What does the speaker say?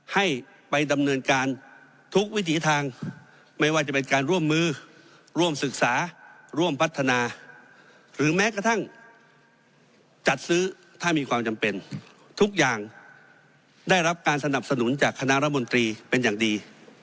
ให้ไปดำเนินการทุกวิถีทางไม่ว่าจะเป็นการร่วมมือร่วมศึกษาร่วมพัฒนาหรือแม้กระทั่งจัดซื้อถ้ามีความจำเป็นทุกอย่างได้รับการสนับสนุนจากคณะรัฐมนตรีเป็นอย่างดี